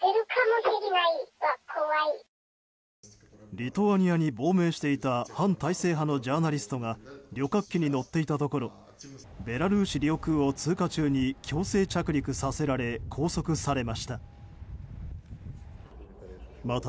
リトアニアに亡命していた反体制派のジャーナリストが旅客機に乗っていたところベラルーシ領空を通過中に強制着陸させられ拘束されました。